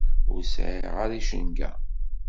Ur sɛiɣ ara icenga.